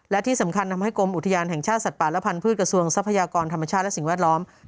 และที่สำคัญทำให้กรมอุทยานแห่งชาติสัตว์ป่าและพันธุ์กระทรวงทรัพยากรธรรมชาติและสิ่งแวดล้อม